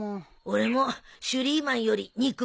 俺もシュリーマンより肉まんだな。